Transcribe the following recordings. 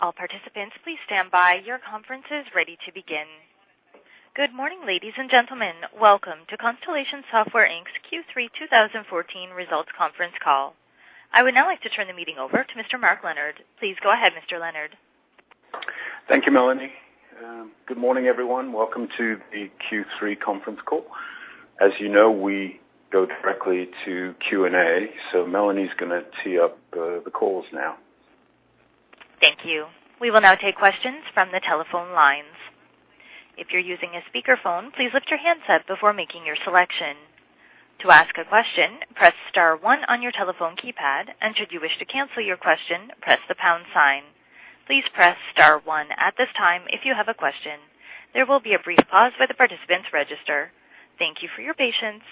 Good morning, ladies and gentlemen. Welcome to Constellation Software Inc's Q3 2014 Results Conference Call. I would now like to turn the meeting over to Mr. Mark Leonard. Please go ahead, Mr. Leonard. Thank you, Melanie. Good morning, everyone. Welcome to the Q3 conference call. As you know, we go directly to Q&A. Melanie's going to tee up the calls now. Thank you. We will now take questions from the telephone lines. If you are using a speaker phone, please lift your headphones before making your selection. To ask a question press star one on your telephone keypad and if you wish to cancel your question, please press the pound sign. Please press star one at this time if you have a question. Please be hold while we compile our roster. Thank you for your patience.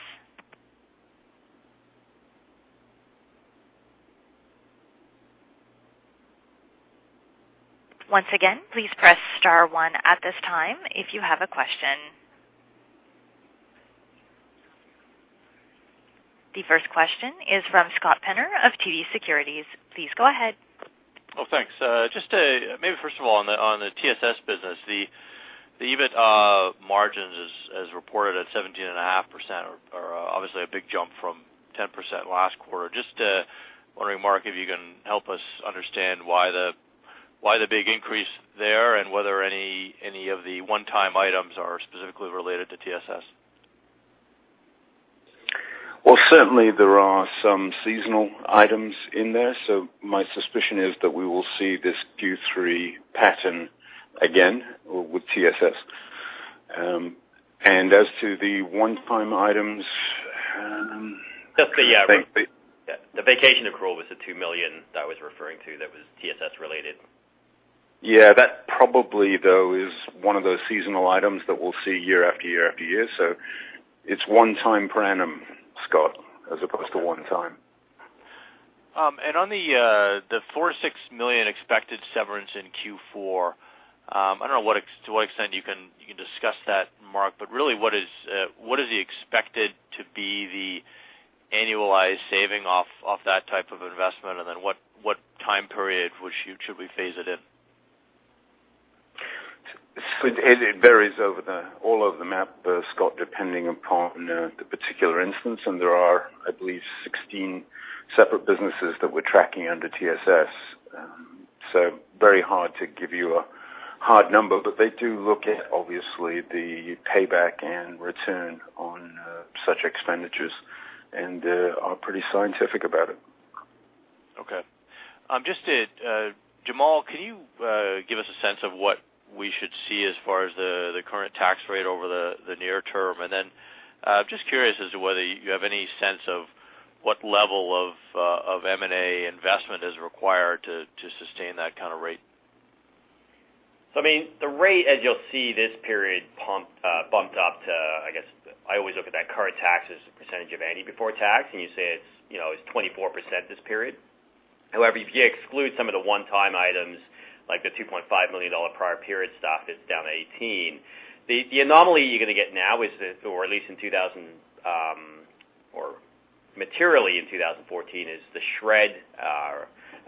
Once again please press star one on your telephone if you have a question. The first question is from Scott Penner of TD Securities. Please go ahead. Well, thanks. Maybe first of all, on the TSS business, the EBITDA margins as reported at 17.5% are obviously a big jump from 10% last quarter. Wondering, Mark, if you can help us understand why the big increase there and whether any of the one-time items are specifically related to TSS. Well, certainly, there are some seasonal items in there, so my suspicion is that we will see this Q3 pattern again with TSS. That's the vacation accrual was the 2 million that I was referring to that was TSS-related. Yeah. That probably, though, is one of those seasonal items that we'll see year after year after year. It's one time per annum, Scott, as opposed to one time. On the 4-6 million expected severance in Q4, I don't know to what extent you can discuss that, Mark, really what is expected to be the annualized saving off that type of investment, what time-period should we phase it in? It varies all over the map, Scott, depending upon the particular instance, and there are, I believe, 16 separate businesses that we're tracking under TSS. Very hard to give you a hard number, but they do look at, obviously, the payback and return on such expenditures and are pretty scientific about it. Okay. Just to Jamal, can you give us a sense of what we should see as far as the current tax rate over the near term? Just curious as to whether you have any sense of what level of M&A investment is required to sustain that kind of rate. I mean, the rate, as you'll see this period bumped up to, I guess I always look at that current tax as a percentage of any before tax, and you say it's, you know, it's 24% this period. However, if you exclude some of the one-time items, like the 2.5 million dollar prior period stuff, it's down to 18. The anomaly you're going to get now is the, or at least in 2000 or materially in 2014, is the SR&ED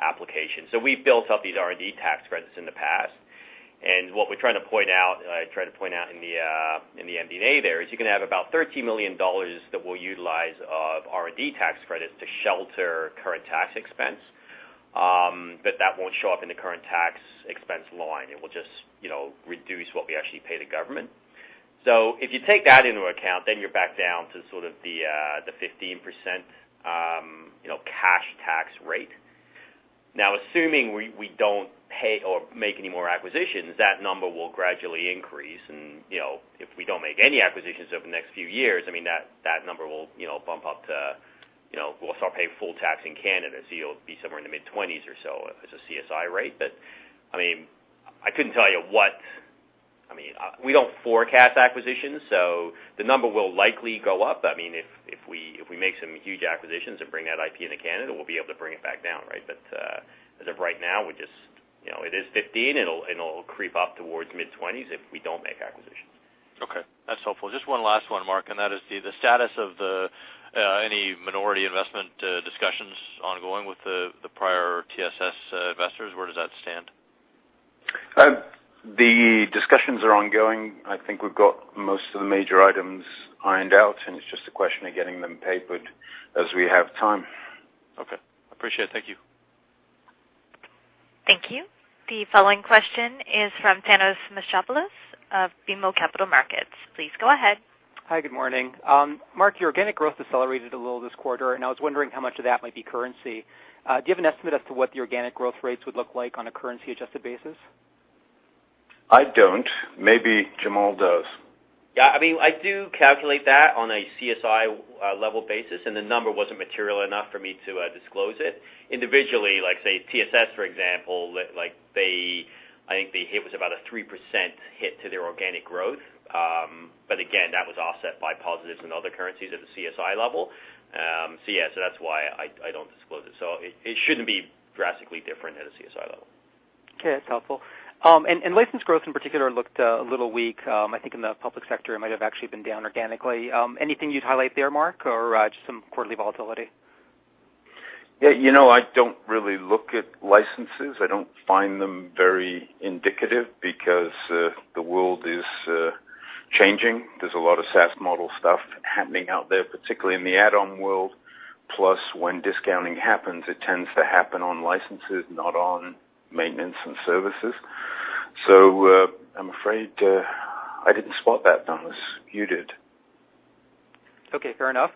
application. We've built up these R&D tax credits in the past, and what we're trying to point out, I try to point out in the M&A there, is you're going to have about 13 million dollars that we'll utilize of R&D tax credits to shelter current tax expense. That won't show up in the current tax expense line. It will just, you know, reduce what we actually pay the government. If you take that into account, then you're back down to sort of the 15%, you know, cash tax rate. Assuming we don't pay or make any more acquisitions, that number will gradually increase, and, you know, if we don't make any acquisitions over the next few years, I mean, that number will, you know, bump up to, you know, we'll start paying full tax in Canada, so you'll be somewhere in the mid-20s or so as a CSI rate. I mean, I couldn't tell you what I mean, we don't forecast acquisitions, the number will likely go up. I mean, if we make some huge acquisitions and bring that IP into Canada, we'll be able to bring it back down, right? As of right now, we just, you know, it is 15. It'll creep up towards mid-20s if we don't make acquisitions. Okay. That's helpful. Just one last one, Mark, and that is the status of the any minority investment discussions ongoing with the prior TSS investors. Where does that stand? The discussions are ongoing. I think we've got most of the major items ironed out, and it's just a question of getting them papered as we have time. Okay. Appreciate it. Thank you. Thank you. The following question is from Thanos Moschopoulos of BMO Capital Markets. Please go ahead. Hi, good morning. Mark, your organic growth accelerated a little this quarter. I was wondering how much of that might be currency. Do you have an estimate as to what the organic growth rates would look like on a currency adjusted basis? I don't. Maybe Jamal does. Yeah. I mean, I do calculate that on a CSI level basis. The number wasn't material enough for me to disclose it. Individually, like say TSS, for example, I think the hit was about a 3% hit to their organic growth. Again, that was offset by positives in other currencies at the CSI level. Yeah, that's why I don't disclose it. It shouldn't be drastically different at a CSI level. Okay, that's helpful. License growth in particular looked a little weak. I think in the public sector it might have actually been down organically. Anything you'd highlight there, Mark, or just some quarterly volatility? Yeah, you know, I don't really look at licenses. I don't find them very indicative because the world is changing. There's a lot of SaaS model stuff happening out there, particularly in the add-on world. Plus, when discounting happens, it tends to happen on licenses, not on maintenance and services. I'm afraid I didn't spot that, Thanos. You did. Okay, fair enough.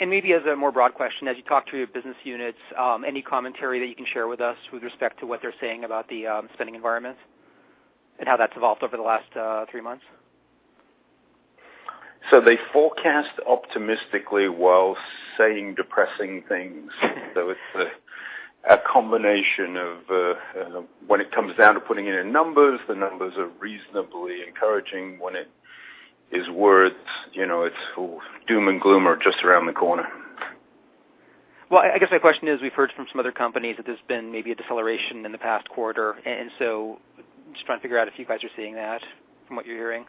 Maybe as a broader question, as you talk to your business units, any commentary that you can share with us with respect to what they're saying about the spending environment and how that's evolved over the last three months? They forecast optimistically while saying depressing things. It's a combination of. When it comes down to putting it in numbers, the numbers are reasonably encouraging. When it is words, you know, it's all doom and gloom are just around the corner. Well, I guess my question is, we've heard from some other companies that there's been maybe a deceleration in the past quarter. I'm just trying to figure out if you guys are seeing that from what you're hearing.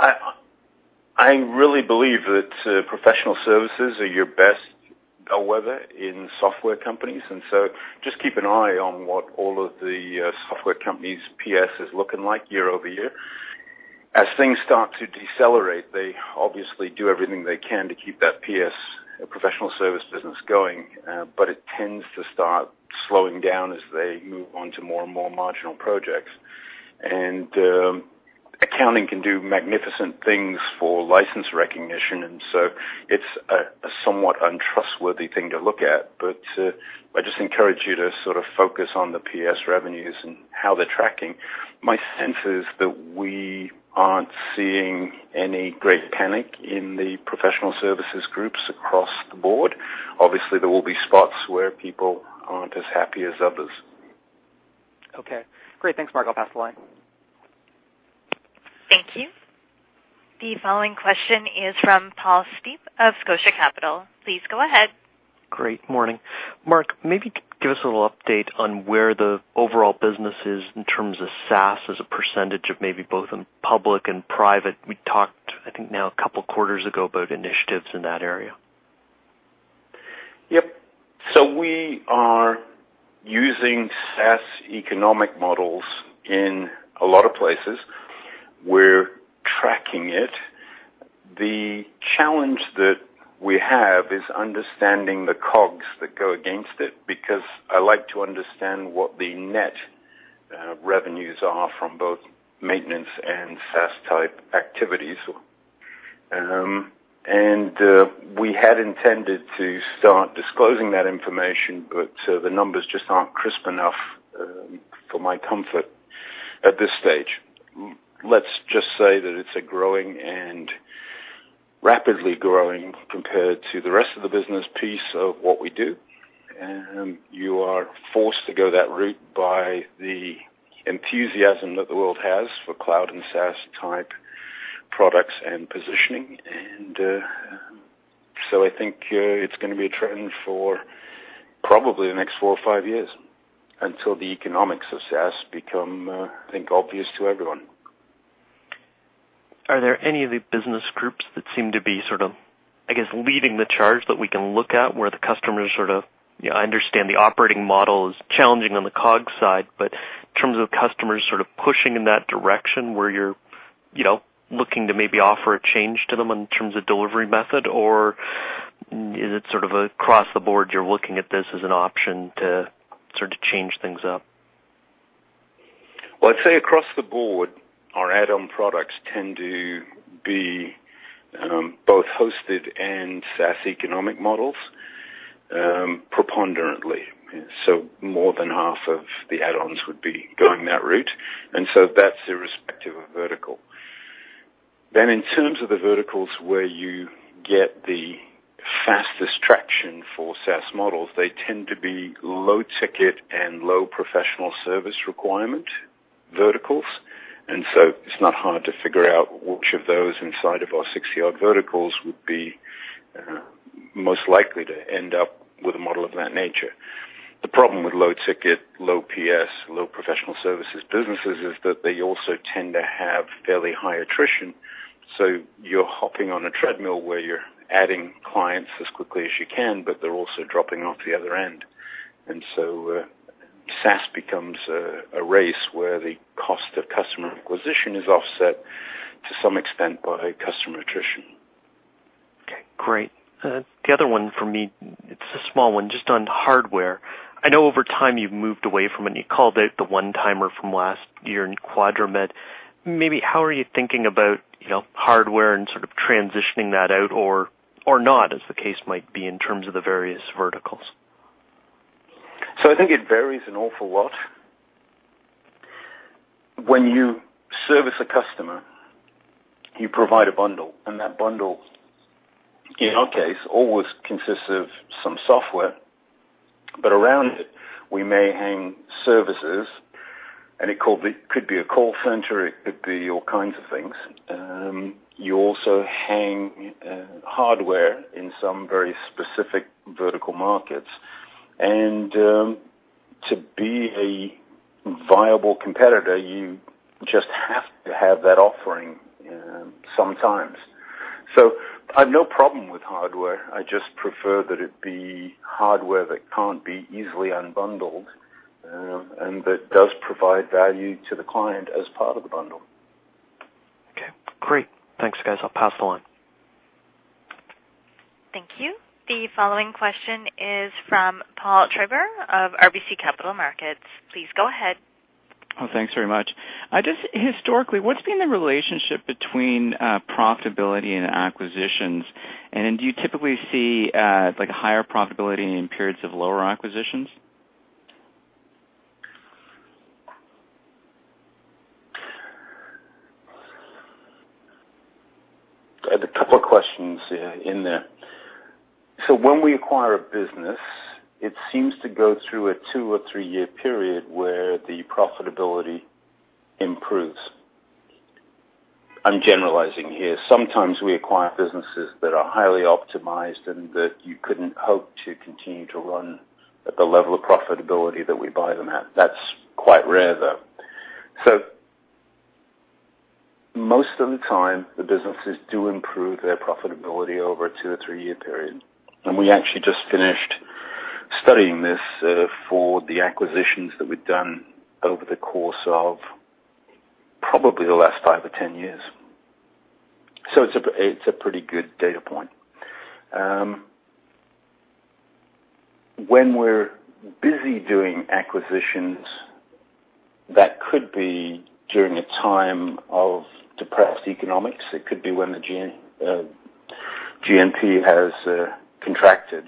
I really believe that professional services are your best weather in software companies. Just keep an eye on what all of the software companies' PS is looking for like year-over-year. As things start to decelerate, they obviously do everything they can to keep that PS, professional service business, going. It tends to start slowing down as they move on to more and more marginal projects. Accounting can do magnificent things for license recognition; it's a somewhat untrustworthy thing to look at. I just encourage you to sort of focus on the PS revenues and how they're tracking. My sense is that we aren't seeing any great panic in the professional services groups across the board. Obviously, there will be spots where people aren't as happy as others. Okay. Great. Thanks, Mark. I'll pass the line. Thank you. The following question is from Paul Steep of Scotia Capital. Please go ahead. Great. Morning. Mark, maybe give us a little update on where the overall business is in terms of SaaS as a percentage of maybe both in public and private. We talked, I think, now a couple quarters ago about initiatives in that area. Yep. We are using SaaS economic models in a lot of places. We're tracking it. The challenge that we have is understanding the COGS that go against it, because I like to understand what the net revenues are from both maintenance and SaaS type activities. We had intended to start disclosing that information, but the numbers just aren't crisp enough for my comfort at this stage. Let's just say that it's a growing and rapidly growing, compared to the rest of the business, piece of what we do. You are forced to go that route by the enthusiasm that the world has for cloud and SaaS type products and positioning. I think it's going to be a trend for probably the next four or five years until the economic success become, I think, obvious to everyone. Are there any of the business groups that seem to be sort of, I guess, leading the charge that we can look at where the customers sort of, you know, understand the operating model is challenging on the COGS side, but in terms of customers sort of pushing in that direction where you're, you know, looking to maybe offer a change to them in terms of delivery method? Is it sort of across the board, you're looking at this as an option to sort of change things up? Well, I'd say across the board, our add-on products tend to be both hosted and SaaS economic models preponderantly. More than half of the add-ons would be going that route. That's irrespective of vertical. In terms of the verticals where you get the fastest traction for SaaS models, they tend to be low-ticket and low professional service requirement verticals. It's not hard to figure out which of those inside of our 60-odd verticals would be most likely to end up with a model of that nature. The problem with low-ticket, low PS, low professional services businesses is that they also tend to have fairly high attrition. You're hopping on a treadmill where you're adding clients as quickly as you can, but they're also dropping off the other end. SaaS becomes a race where the cost of customer acquisition is offset to some extent by customer attrition. Okay. Great. The other one for me, it's a small one, just on hardware. I know over time you've moved away from it, and you called out the one-timer from last year in QuadraMed. Maybe how are you thinking about, you know, hardware and sort of transitioning that out or not, as the case might be, in terms of the various verticals? I think it varies an awful lot. When you service a customer, you provide a bundle, and that bundle, in our case, always consists of some software. Around it, we may hang services. It could be a call center; it could be all kinds of things. You also hang hardware in some very specific vertical markets. To be a viable competitor, you just have to have that offering, sometimes. I've no problem with hardware. I just prefer that it be hardware that can't be easily unbundled, and that does provide value to the client as part of the bundle. Okay. Great. Thanks, guys. I'll pass the line. Thank you. The following question is from Paul Treiber of RBC Capital Markets. Please go ahead. Thanks very much. Just historically, what's been the relationship between profitability and acquisitions? Do you typically see a higher profitability in periods of lower acquisitions? I have a couple of questions in there. When we acquire a business, it seems to go through a two or three-year period where the profitability improves. I'm generalizing here. Sometimes we acquire businesses that are highly optimized and that you couldn't hope to continue to run at the level of profitability that we buy them at. That's quite rare, though. Most of the time, the businesses do improve their profitability over a two-to-three-year period. We actually just finished studying this for the acquisitions that we've done over the course of probably the last 5 or 10 years. It's a pretty good data point. When we're busy doing acquisitions, that could be during a time of depressed economics. It could be when the GNP has contracted.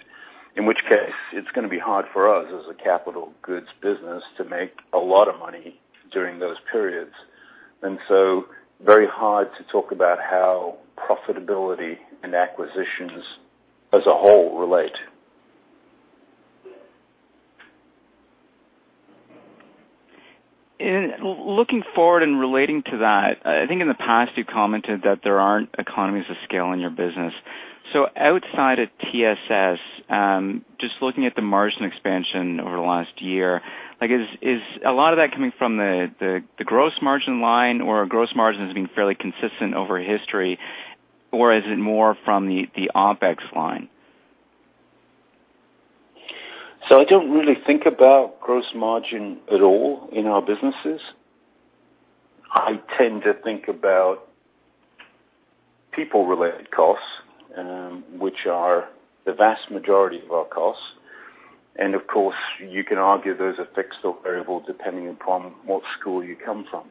In which case, it's going to be hard for us as a capital goods business to make a lot of money during those periods. Very hard to talk about how profitability and acquisitions as a whole relate. In looking forward and relating to that, I think in the past, you commented that there aren't economies of scale in your business. Outside of TSS, just looking at the margin expansion over the last year, like is a lot of that coming from the gross margin line or gross margin has been fairly consistent over history, or is it more from the OpEx line? I don't really think about gross margin at all in our businesses. I tend to think about people-related costs, which are the vast majority of our costs. Of course, you can argue those are fixed or variable depending upon what school you come from.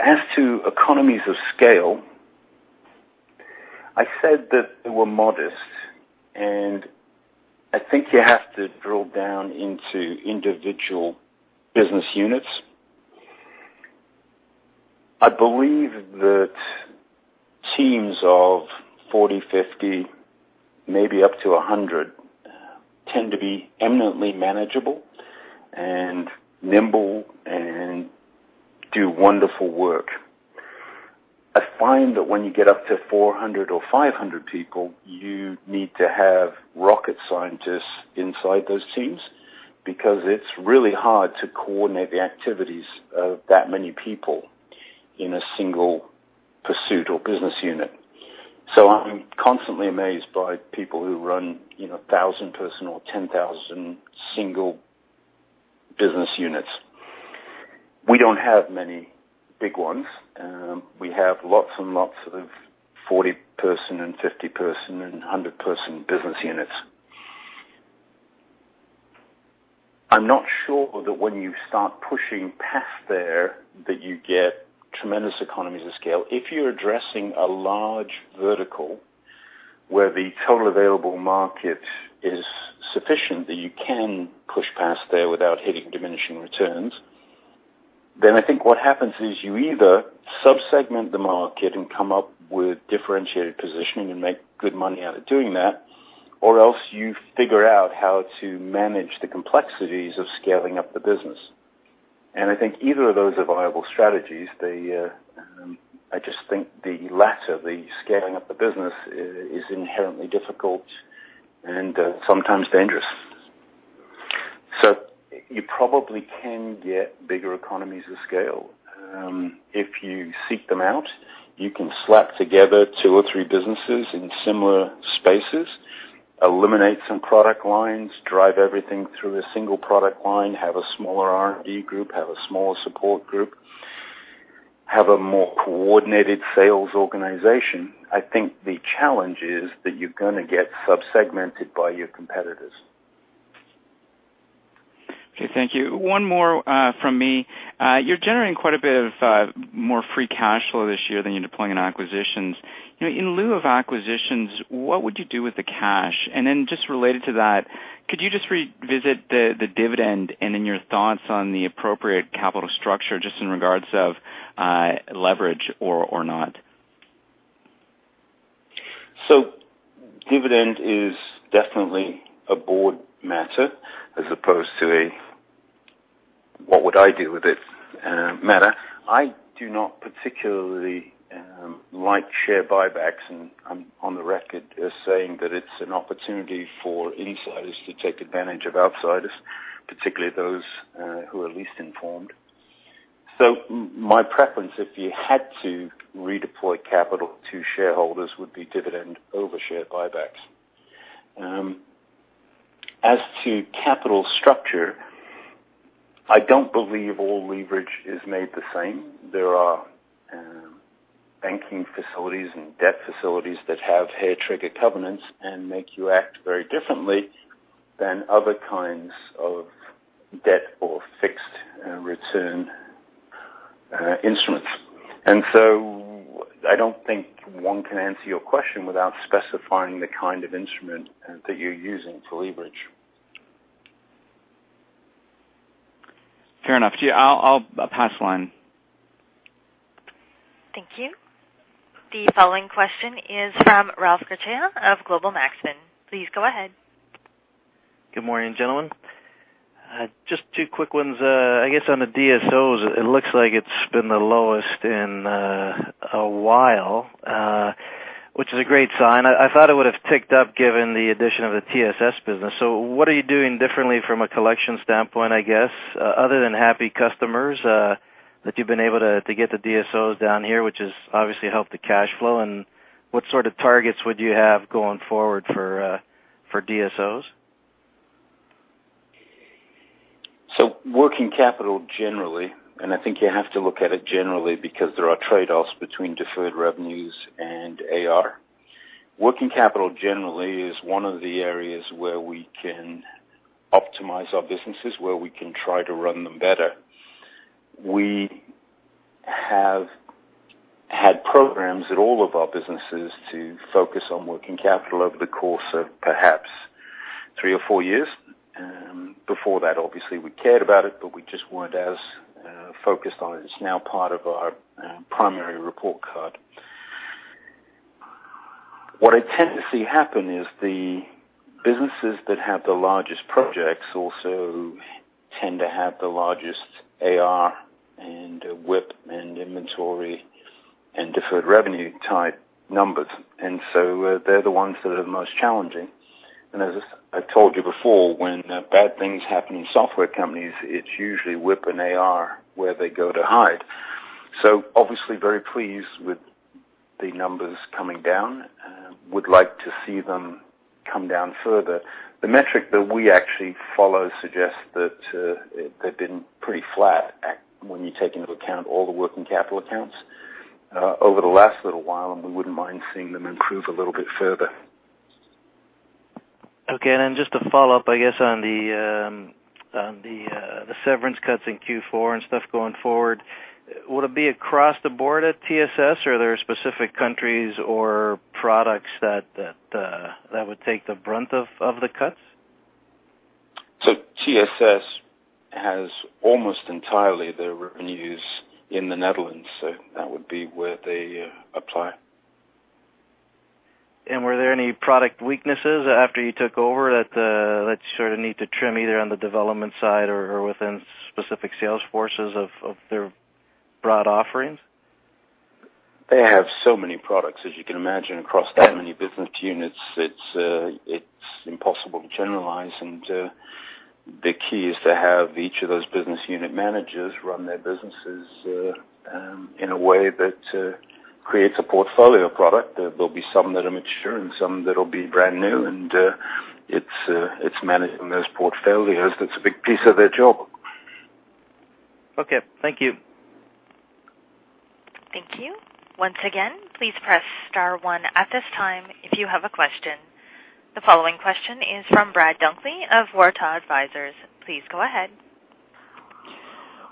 As to economies of scale, I said that they were modest, and I think you have to drill down into individual business units. I believe that teams of 40, 50, maybe up to 100 tend to be eminently manageable and nimble and do wonderful work. I find that when you get up to 400 or 500 people, you need to have rocket scientists inside those teams because it's really hard to coordinate the activities of that many people in a single pursuit or business unit. I'm constantly amazed by people who run, you know, 1,000-person or 10,000 single business units. We don't have many big ones. We have lots and lots of 40-person and 50-person and 100-person business units. I'm not sure that when you start pushing past there, that you get tremendous economies of scale. If you're addressing a large vertical where the total available market is sufficient that you can push past there without hitting diminishing returns, then I think what happens is you either sub-segment the market and come up with differentiated positioning and make good money out of doing that, or else you figure out how to manage the complexities of scaling up the business. I think either of those are viable strategies. They, I just think the latter, the scaling up the business is inherently difficult and sometimes dangerous. You probably can get bigger economies of scale. If you seek them out, you can slap together two or three businesses in similar spaces, eliminate some product lines, drive everything through a single product line, have a smaller R&D group, have a smaller support group, have a more coordinated sales organization. I think the challenge is that you're going to get sub-segmented by your competitors. Okay. Thank you. One more from me. You're generating quite a bit of more free cash flow this year than you deploy in acquisitions. You know, in lieu of acquisitions, what would you do with the cash? Just related to that, could you just revisit the dividend and then your thoughts on the appropriate capital structure just in regards of leverage or not? Dividend is definitely a board matter as opposed to a what would I do with it, matter. I do not particularly like share buybacks, and I'm on the record as saying that it's an opportunity for insiders to take advantage of outsiders, particularly those who are least informed. My preference, if you had to redeploy capital to shareholders, would be dividend over share buybacks. As to capital structure, I don't believe all leverage is made the same. There are banking facilities and debt facilities that have hair trigger covenants and make you act very differently than other kinds of debt or fixed return instruments. I don't think one can answer your question without specifying the kind of instrument that you're using for leverage. Fair enough. Gee, I'll pass the line. Thank you. The following question is from Ralph Garcea of Global Maxfin. Please go ahead. Good morning, gentlemen. Just two quick ones. I guess on the DSOs, it looks like it's been the lowest in a while, which is a great sign. I thought it would have ticked up given the addition of the TSS business. What are you doing differently from a collection standpoint, I guess, other than happy customers, that you've been able to get the DSOs down here, which has obviously helped the cash flow, and what sort of targets would you have going forward for DSOs? Working capital generally, and I think you have to look at it generally because there are trade-offs between deferred revenues and AR. Working capital generally is one of the areas where we can optimize our businesses, where we can try to run them better. We have had programs at all of our businesses to focus on working capital over the course of perhaps three or four years. Before that, obviously, we cared about it, but we just weren't as focused on it. It's now part of our primary report card. What I tend to see happen is the businesses that have the largest projects also tend to have the largest AR and WIP and inventory and deferred revenue type numbers. They're the ones that are the most challenging. As I've told you before, when bad things happen in software companies, it's usually WIP and AR where they go to hide. Obviously very pleased with the numbers coming down and would like to see them come down further. The metric that we actually follow suggests that they've been pretty flat at when you take into account all the working capital accounts over the last little while, and we wouldn't mind seeing them improve a little bit further. Okay. Just to follow up, I guess on the severance cuts in Q4 and stuff going forward, would it be across the board at TSS or are there specific countries or products that would take the brunt of the cuts? TSS has almost entirely their revenues in the Netherlands, so that would be where they apply. Were there any product weaknesses after you took over that you sort of need to trim either on the development side or within specific sales forces of their broad offerings? They have so many products, as you can imagine, across that many business units. It's, it's impossible to generalize. The key is to have each of those business unit managers run their businesses in a way that creates a portfolio product. There'll be some that are mature and some that'll be brand new, and it's managing those portfolios that's a big piece of their job. Okay. Thank you. Thank you. Once again, please press star one at this time if you have a question. The following question is from Brad Dunkley of Waratah Capital Advisors. Please go ahead.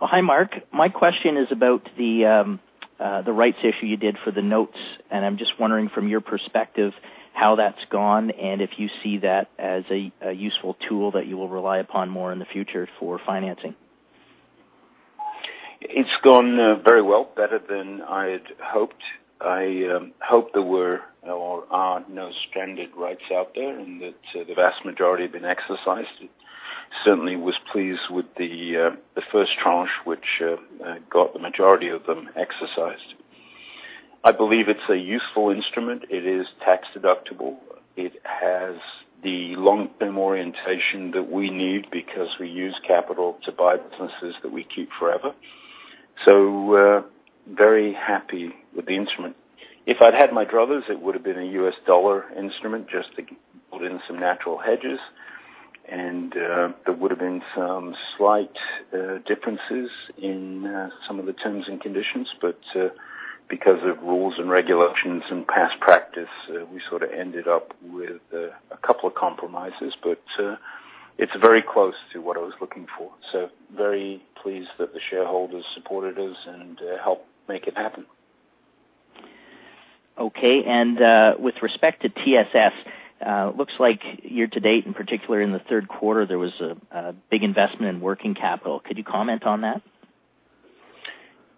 Well, hi, Mark. My question is about the rights issue you did for the notes, and I'm just wondering from your perspective how that's gone and if you see that as a useful tool that you will rely upon more in the future for financing. It's gone very well, better than I had hoped. I hope there were or are no stranded rights out there and that the vast majority have been exercised. Certainly, was pleased with the first tranche which got the majority of them exercised. I believe it's a useful instrument. It is tax-deductible. It has the long-term orientation that we need because we use capital to buy businesses that we keep forever. Very happy with the instrument. If I'd had my druthers, it would've been a US dollar instrument just to put in some natural hedges. There would've been some slight differences in some of the terms and conditions. Because of rules and regulations and past practice, we sort of ended up with a couple of compromises. It's very close to what I was looking for. Very pleased that the shareholders supported us and helped make it happen. Okay. With respect to TSS, looks like year-to-date, in particular in the Q3, there was a big investment in working capital. Could you comment on that?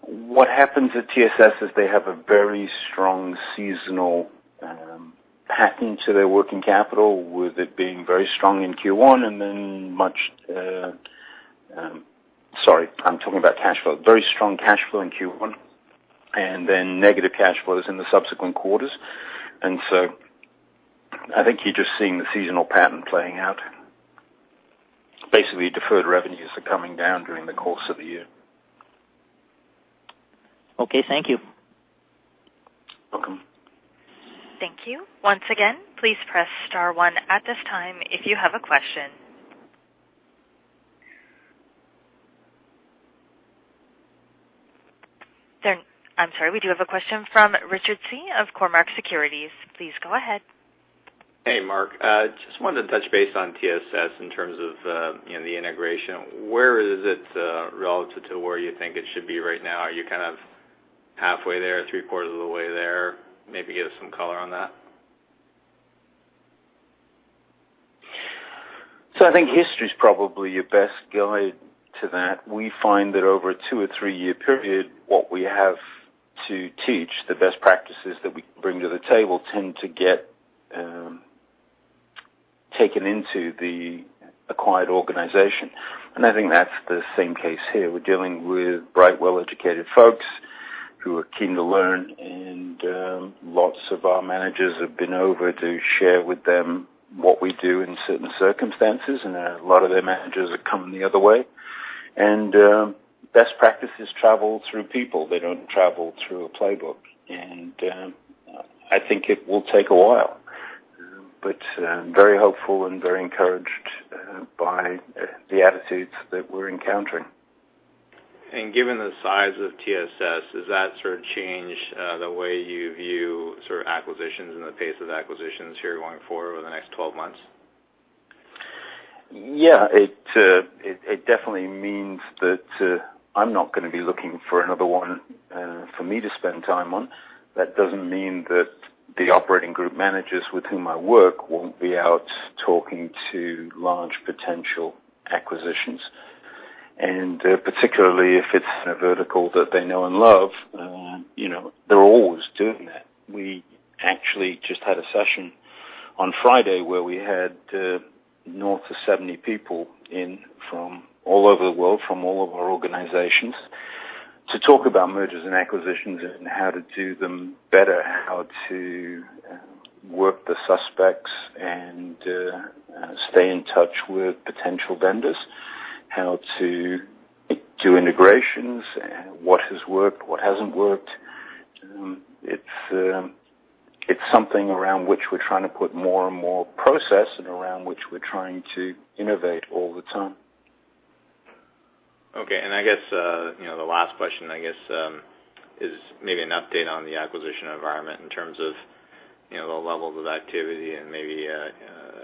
What happens at TSS is they have a very strong seasonal pattern to their working capital, with it being very strong in Q1 and then much Sorry, I'm talking about cash flow. Very strong cash flow in Q1 and then negative cash flows in the subsequent quarters. I think you're just seeing the seasonal pattern playing out. Basically, deferred revenues are coming down during the course of the year. Okay, thank you. Welcome. Thank you. Once again, please press star one at this time if you have a question. I'm sorry. We do have a question from Richard Tse of Cormark Securities. Please go ahead. Hey, Mark. Just wanted to touch base on TSS in terms of, you know, the integration. Where is it relative to where you think it should be right now? Are you kind of halfway there? Three-quarters of the way there? Maybe give us some color on that. I think history is probably your best guide to that. We find that over a two or three-year period, what we have to teach, the best practices that we bring to the table tend to get taken into the acquired organization. I think that's the same case here. We're dealing with bright, well-educated folks who are keen to learn. Lots of our managers have been over to share with them what we do in certain circumstances, and a lot of their managers are coming the other way. Best practices travel through people. They don't travel through a playbook. I think it will take a while. Very hopeful and very encouraged by the attitudes that we're encountering. Given the size of TSS, does that sort of change, the way you view sort of acquisitions and the pace of acquisitions here going forward over the next 12 months? Yeah. It definitely means that I'm not going to be looking for another one for me to spend time on. That doesn't mean that the operating group managers with whom I work won't be out talking to large potential acquisitions. Particularly if it's in a vertical that they know and love, you know, they're always doing that. We actually just had a session on Friday where we had north of 70 people in from all over the world, from all of our organizations, to talk about mergers and acquisitions and how to do them better, how to work the suspects and stay in touch with potential vendors, how to do integrations, what has worked, what hasn't worked. It's something around which we're trying to put more and more process and around which we're trying to innovate all the time. Okay. I guess, you know, the last question, I guess, is maybe an update on the acquisition environment in terms of, you know, the levels of activity and maybe,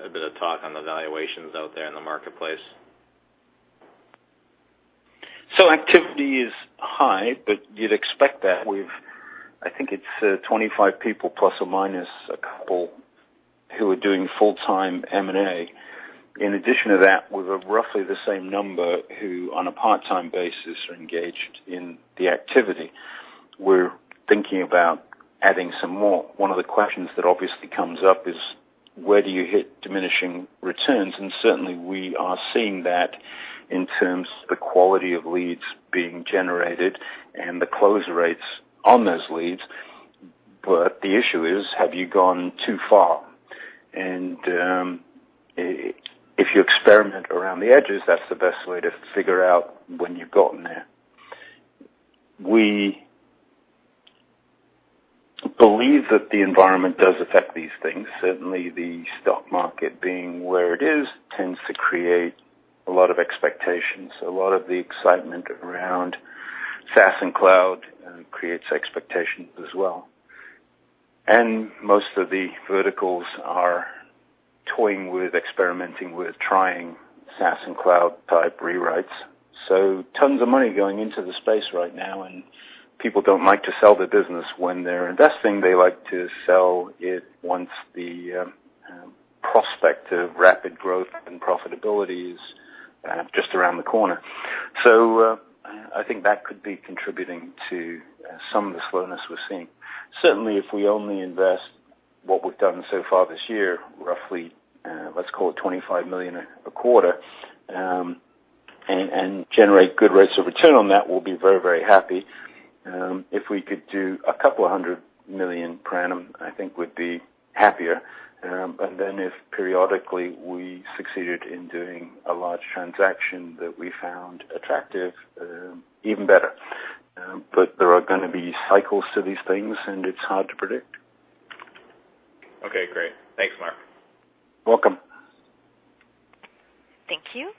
a bit of talk on the valuations out there in the marketplace. Activity is high, but you'd expect that. We've I think it's 25 people ± 2 who are doing full-time M&A. In addition to that, we've roughly the same number who, on a part-time basis, are engaged in the activity. We're thinking about adding some more. One of the questions that obviously comes up is, "Where do you hit diminishing returns?" Certainly, we are seeing that in terms of the quality of leads being generated and the close rates on those leads. The issue is, have you gone too far? If you experiment around the edges, that's the best way to figure out when you've gotten there. We believe that the environment does affect these things. Certainly, the stock market being where it is tends to create a lot of expectations. A lot of the excitement around SaaS and cloud creates expectations as well. Most of the verticals are toying with, experimenting with trying SaaS and cloud-type rewrites. Tons of money going into the space right now. People don't like to sell their business when they're investing. They like to sell it once the prospect of rapid growth and profitability is just around the corner. I think that could be contributing to some of the slowness we're seeing. Certainly, if we only invest what we've done so far this year, roughly, let's call it 25 million a quarter, and generate good rates of return on that, we'll be very, very happy. If we could do 200 million per annum, I think we'd be happier. If periodically we succeeded in doing a large transaction that we found attractive, even better. There are going to be cycles to these things, and it's hard to predict. Okay, great. Thanks, Mark. Welcome. Thank you.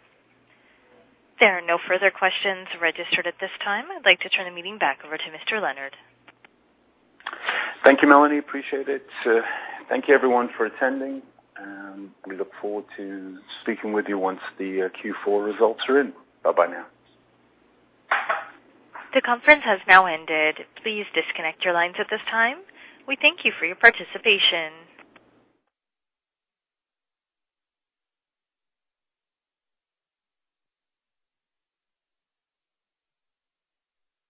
There are no further questions registered at this time. I'd like to turn the meeting back over to Mr. Leonard. Thank you, Melanie. Appreciate it. Thank you, everyone, for attending. We look forward to speaking with you once the Q4 results are in. Bye-bye now. The conference has now ended. Please disconnect your lines at this time. We thank you for your participation.